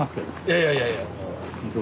いやいやいやもう。